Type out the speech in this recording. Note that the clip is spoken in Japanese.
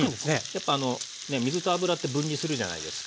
やっぱ水と油って分離するじゃないですか。